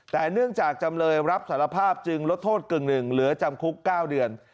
แต่เนื่องจากจำเลยรับสารภาพจึงลดโทษกึ่งหนึ่งเหลือจำคุก๙เดือน